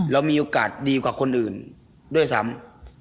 เรามีโอกาสดีกว่าคนอื่นด้วยซ้ำ